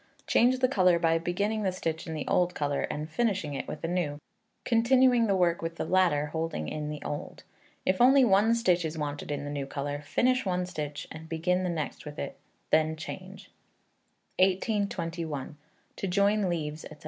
Change the colour by beginning the stitch in the old colour, and finishing it with the new, continuing the work with the latter holding in the old. If only one stitch is wanted in the new colour, finish one stitch, and begin the next with it; then change. 1821. To Join Leaves, &c.